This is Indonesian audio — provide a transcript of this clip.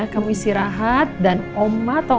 kamu istirahat dan omat ya pak